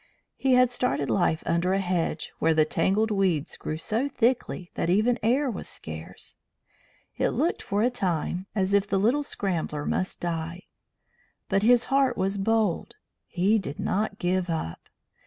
He had started life under a hedge where the tangled weeds grew so thickly that even air was scarce; it looked for a time as if the little Scrambler must die. But his heart was bold; he did not give up.